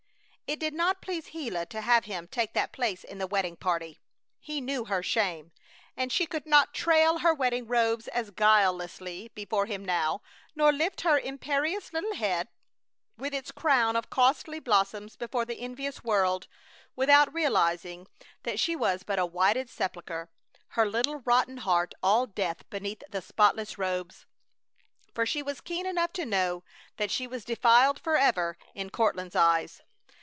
It did not please Gila to have him take that place in the wedding party. He knew her shame, and she could not trail her wedding robes as guilelessly before him now, nor lift her imperious little head, with its crown of costly blossoms, before the envious world, without realizing that she was but a whited sepulcher, her little rotten heart all death beneath the spotless robes. For she was keen enough to know that she was defiled forever in Courtland's eyes.